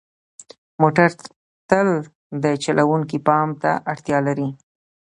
موټر تل د چلوونکي پام ته اړتیا لري.